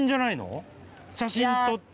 写真撮って。